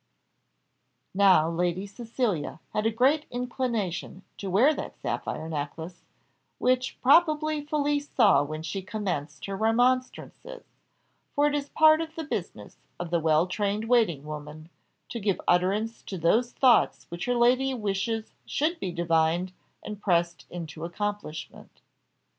Now Lady Cecilia had a great inclination to wear that sapphire necklace, which probably Felicie saw when she commenced her remonstrances, for it is part of the business of the well trained waiting woman, to give utterance to those thoughts which her lady wishes should be divined and pressed into accomplishment.